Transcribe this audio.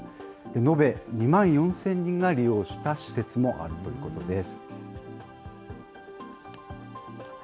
延べ２万４０００人が利用した施設もあるということです。